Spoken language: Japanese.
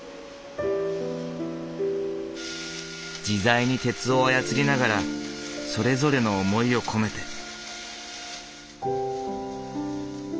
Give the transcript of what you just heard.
自在に鉄を操りながらそれぞれの思いを込めて。